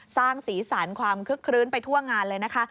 สร้างสีสันความคึกคลื้นไปทั่วงานเลยนะคะ